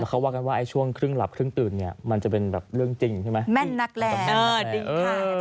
แล้วเขาว่ากันว่าช่วงครึ่งหลับครึ่งตื่นมันจะเป็นเรื่องจริงใช่ไหม